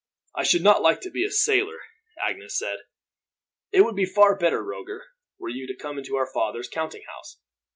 "I should not like to be a sailor," Agnes said. "It would be far better, Roger, were you to come into our father's counting house.